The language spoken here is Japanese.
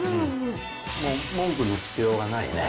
文句のつけようがないね。